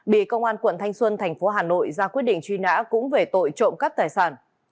bị công an quận thanh xuân thành phố hà nội ra quyết định truy nã cũng về tội trộm cắp tài sản